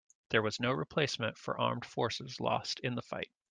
There was no replacement for armed forces lost in the fight.